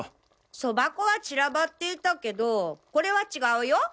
そば粉は散らばっていたけどこれは違うよ。